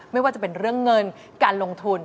ไม่ว่าจะเป็นเรื่องเงินการลงทุน